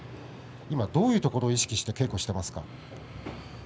今どんなところを意識して稽古していますか。